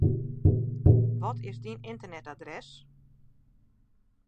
Wat is dyn ynternetadres?